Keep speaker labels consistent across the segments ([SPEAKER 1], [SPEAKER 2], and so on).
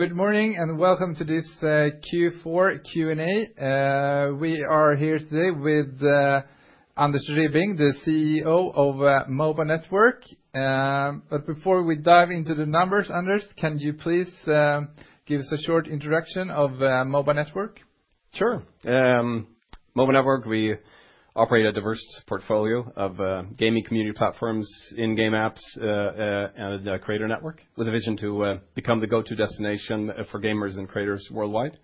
[SPEAKER 1] Good morning and welcome to this Q4 Q&A. We are here today with Anders Ribbing, the CEO of MOBA Network. Before we dive into the numbers, Anders, can you please give us a short introduction of MOBA Network?
[SPEAKER 2] Sure. MOBA Network, we operate a diverse portfolio of gaming community platforms, in-game apps, and a creator network with a vision to become the go-to destination for gamers and creators worldwide.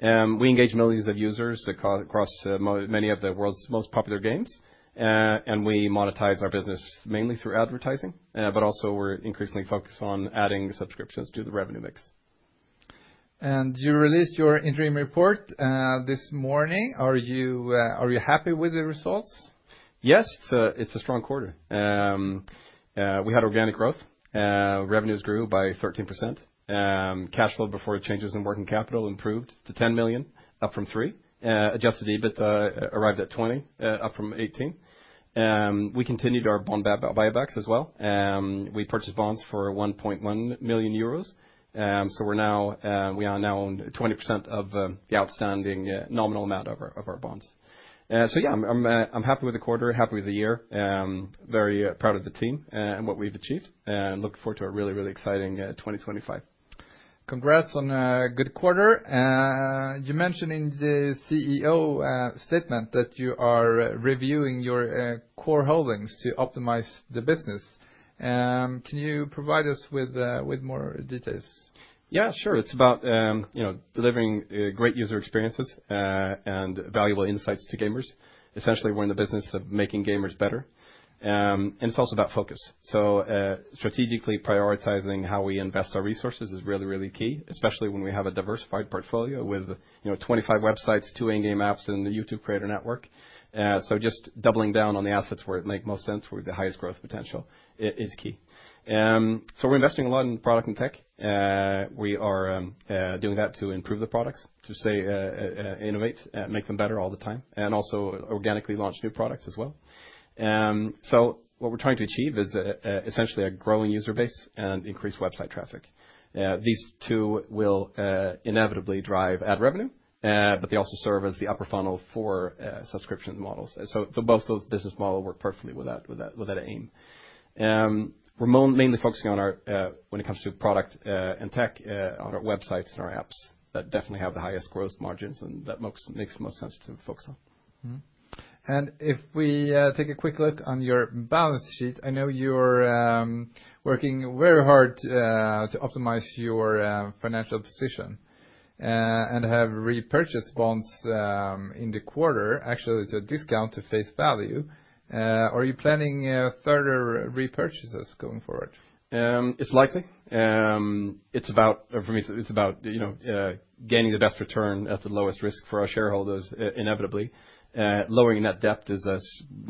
[SPEAKER 2] We engage millions of users across many of the world's most popular games. We monetize our business mainly through advertising, but also we're increasingly focused on adding subscriptions to the revenue mix. You released your interim report this morning. Are you happy with the results? Yes, it's a strong quarter. We had organic growth. Revenues grew by 13%. Cash flow before changes in working capital improved to 10 million, up from 3 million. Adjusted EBIT arrived at 20 million, up from 18 million. We continued our bond buybacks as well. We purchased bonds for 1.1 million euros. We now own 20% of the outstanding nominal amount of our bonds. Yeah, I'm happy with the quarter, happy with the year. Very proud of the team and what we've achieved. I look forward to a really, really exciting 2025. Congrats on a good quarter. You mentioned in the CEO statement that you are reviewing your core holdings to optimize the business. Can you provide us with more details? Yeah, sure. It's about delivering great user experiences and valuable insights to gamers. Essentially, we're in the business of making gamers better. It's also about focus. Strategically prioritizing how we invest our resources is really, really key, especially when we have a diversified portfolio with 25 websites, two in-game apps, and the YouTube creator network. Just doubling down on the assets where it makes most sense, where the highest growth potential is key. We're investing a lot in product and tech. We are doing that to improve the products, to stay, innovate, make them better all the time, and also organically launch new products as well. What we're trying to achieve is essentially a growing user base and increased website traffic. These two will inevitably drive ad revenue, but they also serve as the upper funnel for subscription models. Both those business models work perfectly with that aim. We're mainly focusing on our, when it comes to product and tech, on our websites and our apps that definitely have the highest gross margins and that makes the most sense to focus on. If we take a quick look on your balance sheet, I know you're working very hard to optimize your financial position and have repurchased bonds in the quarter, actually to a discount to face value. Are you planning further repurchases going forward? It's likely. It's about, for me, it's about gaining the best return at the lowest risk for our shareholders, inevitably. Lowering net debt is a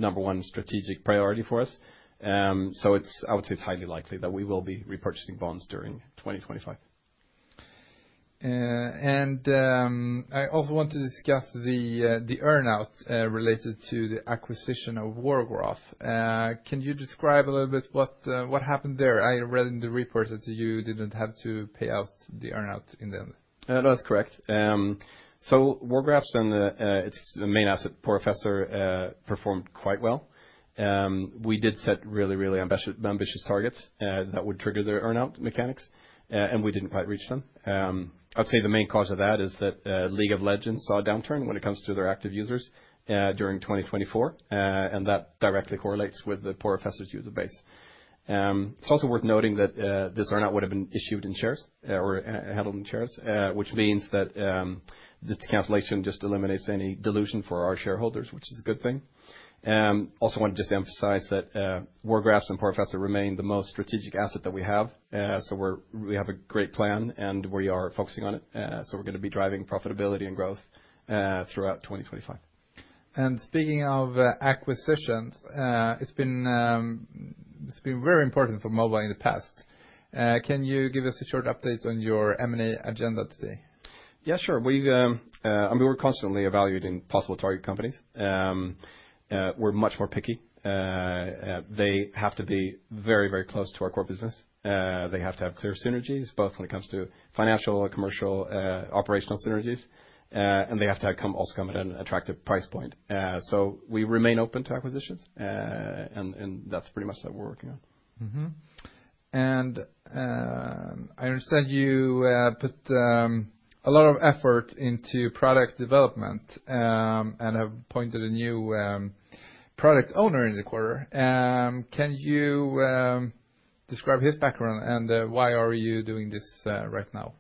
[SPEAKER 2] number one strategic priority for us. I would say it's highly likely that we will be repurchasing bonds during 2025. I also want to discuss the earnout related to the acquisition of Wargraphs. Can you describe a little bit what happened there? I read in the report that you did not have to pay out the earnout in the end. That's correct. Wargraphs' main asset portfolio performed quite well. We did set really, really ambitious targets that would trigger their earnout mechanics, and we didn't quite reach them. I'd say the main cause of that is that League of Legends saw a downturn when it comes to their active users during 2024, and that directly correlates with the Porofessor user base. It's also worth noting that this earnout would have been issued in shares or handled in shares, which means that this cancellation just eliminates any dilution for our shareholders, which is a good thing. I also want to just emphasize that Wargraphs and Porofessor remain the most strategic asset that we have. We have a great plan and we are focusing on it. We're going to be driving profitability and growth throughout 2025. Speaking of acquisitions, it's been very important for MOBA in the past. Can you give us a short update on your M&A agenda today? Yeah, sure. We were constantly evaluating possible target companies. We're much more picky. They have to be very, very close to our core business. They have to have clear synergies, both when it comes to financial, commercial, operational synergies, and they have to also come at an attractive price point. We remain open to acquisitions, and that's pretty much what we're working on. I understand you put a lot of effort into product development and have appointed a new product owner in the quarter. Can you describe his background and why are you doing this right now?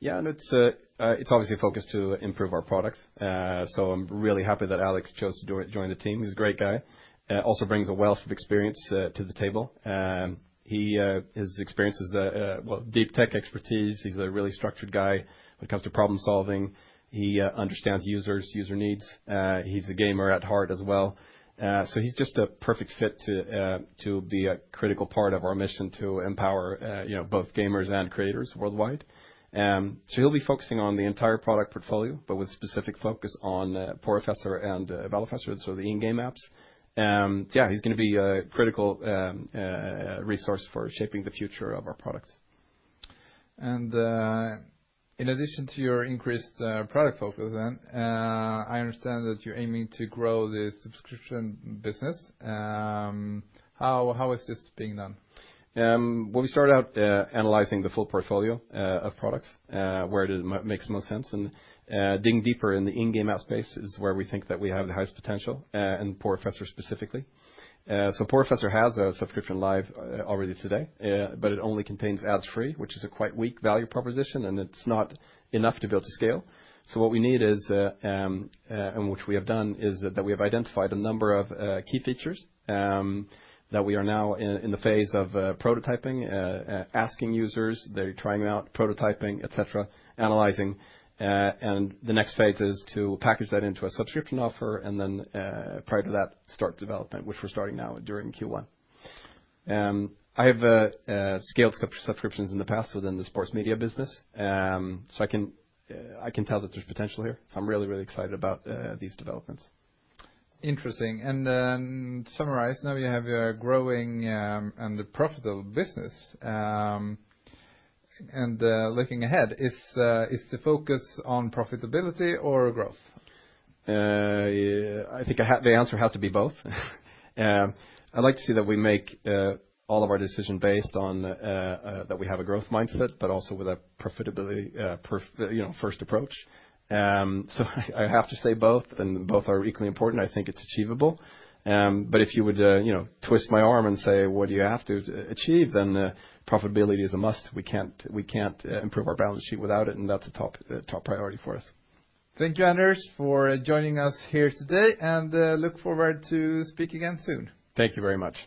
[SPEAKER 2] Yeah, it's obviously a focus to improve our product. I'm really happy that Alex chose to join the team. He's a great guy. Also brings a wealth of experience to the table. His experience is deep tech expertise. He's a really structured guy when it comes to problem solving. He understands users, user needs. He's a gamer at heart as well. He's just a perfect fit to be a critical part of our mission to empower both gamers and creators worldwide. He'll be focusing on the entire product portfolio, but with specific focus on Porofessor and Valofessor, so the in-game apps. He's going to be a critical resource for shaping the future of our products. In addition to your increased product focus, I understand that you're aiming to grow this subscription business. How is this being done? We started out analyzing the full portfolio of products, where it makes the most sense. Digging deeper in the in-game app space is where we think that we have the highest potential in Porofessor specifically. Porofessor has a subscription live already today, but it only contains ad-free, which is a quite weak value proposition, and it's not enough to be able to scale. What we need is, and which we have done, is that we have identified a number of key features that we are now in the phase of prototyping, asking users, they're trying them out, prototyping, et cetera, analyzing. The next phase is to package that into a subscription offer, and then prior to that, start development, which we're starting now during Q1. I have scaled subscriptions in the past within the sports media business. I can tell that there's potential here. I'm really, really excited about these developments. Interesting. To summarize, now you have a growing and profitable business. Looking ahead, is the focus on profitability or growth? I think the answer has to be both. I'd like to see that we make all of our decisions based on that we have a growth mindset, but also with a profitability first approach. I have to say both, and both are equally important. I think it's achievable. If you would twist my arm and say, what do you have to achieve, then profitability is a must. We can't improve our balance sheet without it, and that's a top priority for us. Thank you, Anders, for joining us here today, and look forward to speaking again soon. Thank you very much.